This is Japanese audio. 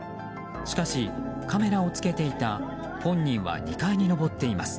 しかし、カメラをつけていた本人は２階に上っています。